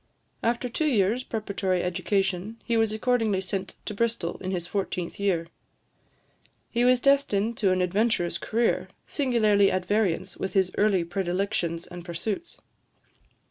After two years' preparatory education, he was accordingly sent to Bristol, in his fourteenth year. He was destined to an adventurous career, singularly at variance with his early predilections and pursuits.